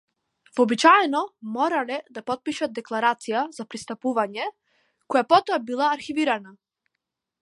Вообичаено морале да потпишат декларација за пристапување која потоа била архивирана.